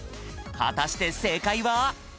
はたして正解は？